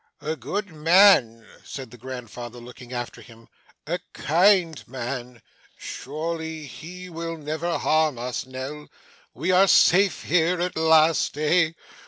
'A good man,' said the grandfather, looking after him; 'a kind man. Surely he will never harm us, Nell. We are safe here, at last, eh?